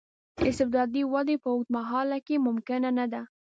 استبدادي وده په اوږد مهال کې ممکنه نه ده.